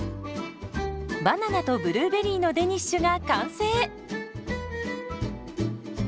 バナナとブルーベリーのデニッシュが完成。